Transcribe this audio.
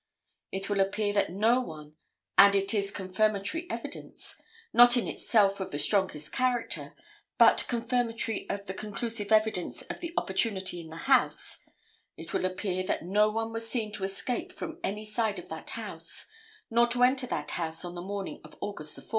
It will appear that no one, and it is confirmatory evidence, not in itself of the strongest character, but confirmatory of the conclusive evidence of the opportunity in the house—it will appear that no one was seen to escape from any side of that house nor to enter that house on the morning of August 4.